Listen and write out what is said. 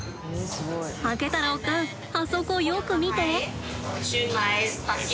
あけ太郎くんあそこよく見て。